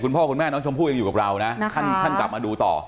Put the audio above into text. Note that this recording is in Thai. พ่อคุณแม่น้องชมพู่ยังอยู่กับเรานะท่านกลับมาดูต่อ